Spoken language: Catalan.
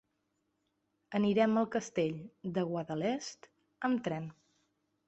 Anirem al Castell de Guadalest amb tren.